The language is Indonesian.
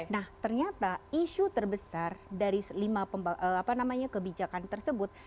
nah ternyata isu terbesar dari lima kebijakan tersebut